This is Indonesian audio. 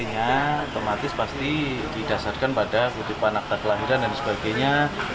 artinya otomatis pasti didasarkan pada kutipan akta kelahiran dan sebagainya